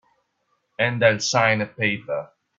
And I'll sign a paper.